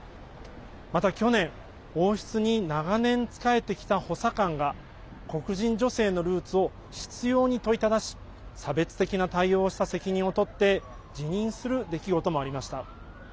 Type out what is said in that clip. また去年王室に長年仕えてきた補佐官が黒人女性のルーツを執ように問いただし差別的な対応をした責任を取って辞任する出来事もありました。